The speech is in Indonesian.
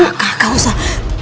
enggak enggak usah